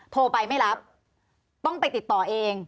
โทรไปไม่รับต้องไปติดต่อเอง